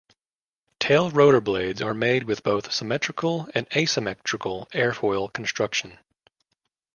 Tail rotor blades are made with both symmetrical and asymmetrical airfoil construction.